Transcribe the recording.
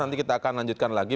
nanti kita akan lanjutkan lagi